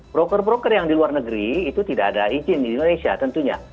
broker broker yang di luar negeri itu tidak ada izin di indonesia tentunya